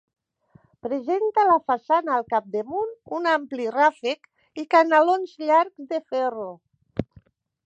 Presenta la façana al capdamunt un ampli ràfec i canalons llargs de ferro.